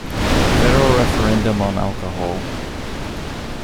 Federal Referendum on Alcohol.